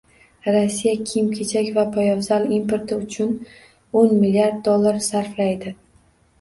Rossiya kiyim-kechak va poyabzal importi uchun o'n milliard dollar sarflaydi.